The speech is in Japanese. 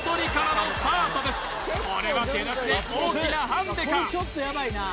これは出だしで大きなハンデか？